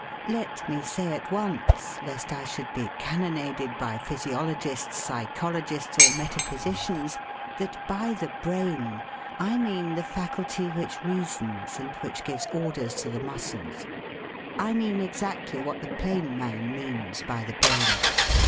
Let me say at once, lest I should be cannonaded by physiologists, psychologists, or metaphysicians, that by the 'brain' I mean the faculty which reasons and which gives orders to the muscles. I mean exactly what the plain man means by the brain.